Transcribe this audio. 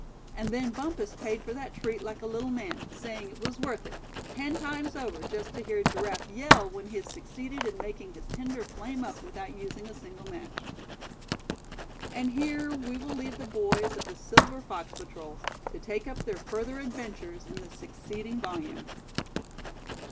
And then Bumpus paid for that treat like a little man, saying it was worth it, ten times over, just to hear Giraffe yell when he'd succeeded in making his tinder flame up without using a single match." And here we will leave the boys of the Silver Fox Patrol, to take up their further adventures in the succeeding volume.